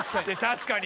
確かに！